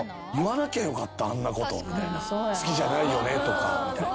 好きじゃないよね？とかみたいな。